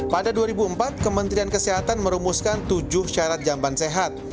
pada dua ribu empat kementerian kesehatan merumuskan tujuh syarat jamban sehat